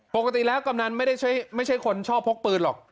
ปกติแล้วกำนันไม่ใช่คนชอบพกปืนหรอก